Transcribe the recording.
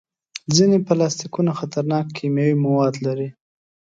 ځینې پلاستيکونه خطرناک کیمیاوي مواد لري.